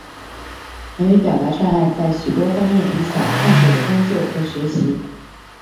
言语表达障碍在许多方面影响患者的工作和学习。